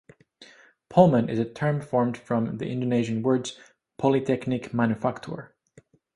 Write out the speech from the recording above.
Polman is a term formed from the Indonesian words Politeknik Manufaktur.